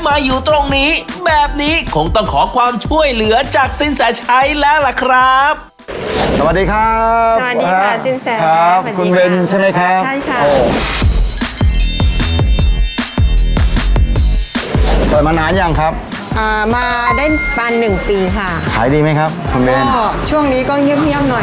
ช่วงนี้ก็เงียบหน่อยนึงค่ะ